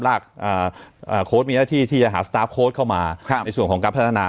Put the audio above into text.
ลากอ่าโค้ชมีหน้าที่ที่จะหาโค้ชเข้ามาครับในส่วนของการพัฒนา